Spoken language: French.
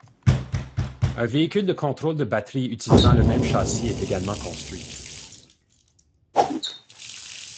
Un véhicule de contrôle de batterie utilisant le même châssis est également construit.